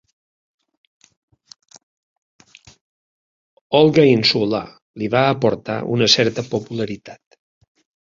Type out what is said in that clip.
Olga insular li va aportar una certa popularitat.